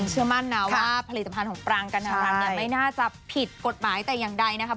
เชื่อมั่นนะว่าผลิตภัณฑ์ของปรางกัณรัฐเนี่ยไม่น่าจะผิดกฎหมายแต่อย่างใดนะครับ